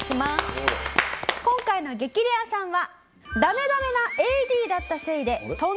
今回の激レアさんは。